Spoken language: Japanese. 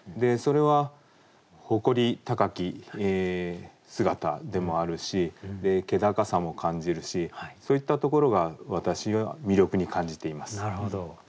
それは誇り高き姿でもあるし気高さも感じるしそういったところが私は魅力に感じています。